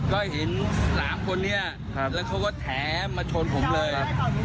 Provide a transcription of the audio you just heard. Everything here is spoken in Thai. ก็เห็น๓คนนี้แล้วเขาก็แถมมาชนผมเลย